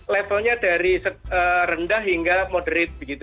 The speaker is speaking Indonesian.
levelnya dari rendah hingga moderate begitu